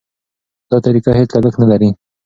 دا طریقه هېڅ لګښت نه لري.